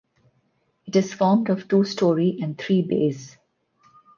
It is formed of two storey and three bays.